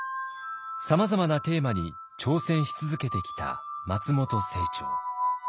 さまざまなテーマに挑戦し続けてきた松本清張。